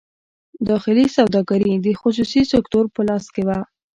داخلي سوداګري د خصوصي سکتور په لاس کې وه.